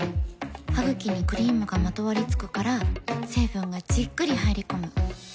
ハグキにクリームがまとわりつくから成分がじっくり入り込む。